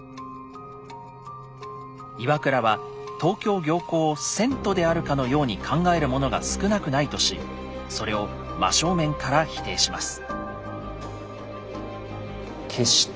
岩倉は東京行幸を遷都であるかのように考える者が少なくないとしそれを真正面から否定します。